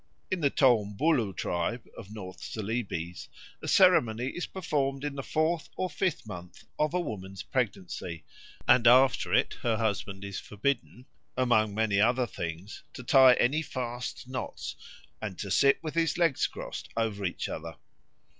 In the Toumbuluh tribe of North Celebes a ceremony is performed in the fourth or fifth month of a woman's pregnancy, and after it her husband is forbidden, among many other things, to tie any fast knots and to sit with his legs crossed over each other.